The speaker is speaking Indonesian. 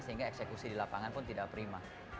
sehingga eksekusi di lapangan pun tidak prima